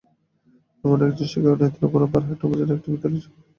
এমনই একজন শিক্ষক নেত্রকোনার বারহাট্টা উপজেলার একটি বিদ্যালয়ের সহকারী শিক্ষক জহিরুল ইসলাম।